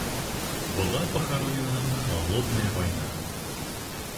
Была похоронена "холодная война".